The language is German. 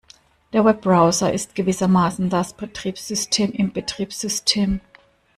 Der Webbrowser ist gewissermaßen das Betriebssystem im Betriebssystem.